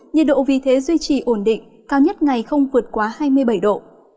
nhiệt độ vì thế duy trì ổn định cao nhất ngày không vượt quá hai mươi bảy độ